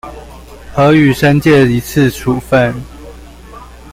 核予申誡一次處分